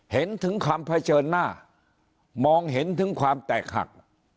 เห็นถึงคำเผชิญหน้ามองเห็นถึงความแตกหัก